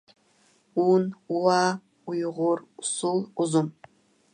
ئۇن، ئۇۋا، ئۇيغۇر، ئۇسسۇل، ئۇزۇن.